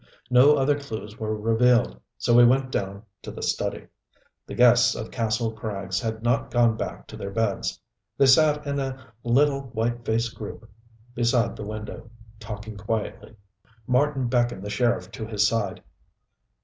No other clews were revealed, so we went down to the study. The guests of Kastle Krags had not gone back to their beds. They sat in a little white faced group beside the window, talking quietly. Marten beckoned the sheriff to his side.